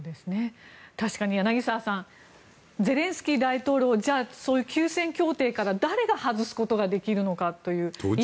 確かに柳澤さんゼレンスキー大統領を休戦協定から、誰が外すことができるのかという。